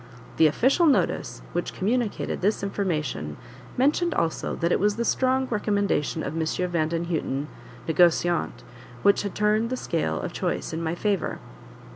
The official notice, which communicated this information, mentioned also that it was the strong recommendation of M. Vandenhuten, negociant, which had turned the scale of choice in my favour.